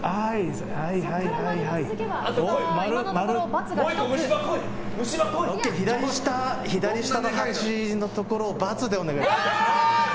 丸、丸。ＯＫ、左下の８のところバツでお願いします。